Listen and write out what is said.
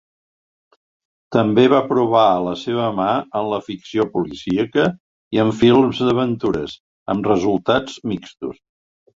També va provar la seva mà en la ficció policíaca i en films d'aventures, amb resultats mixtos.